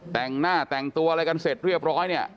แต่งหน้าแต่งตัวอะไรกันเสร็จเรียบร้อยเนี่ย